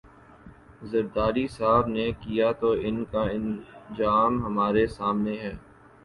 زرداری صاحب نے کیا تو ان کا انجام ہمارے سامنے ہے۔